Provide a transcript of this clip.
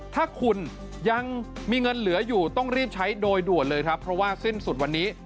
ถ้าคุณยังมีเงินเหลืออยู่ต้องรีบใช้โดยด่วนเลยครับเพราะว่าสิ้นสุดวันนี้